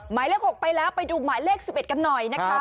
หมายเลข๖ไปแล้วไปดูหมายเลข๑๑กันหน่อยนะคะ